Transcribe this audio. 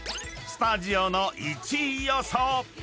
［スタジオの１位予想］